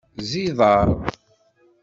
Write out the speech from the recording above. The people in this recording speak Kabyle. Ẓẓiḍer.